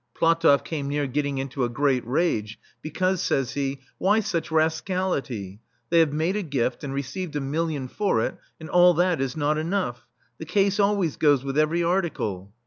PlatofFcame near getting into a great rage, because, says he :" Why such ras cality ? They have made a gift, and re ceived a million for it, and all that is not enough ! The case always goes with every article."